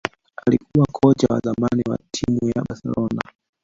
alikuwa kocha wa zamani wa timu ya Barcelona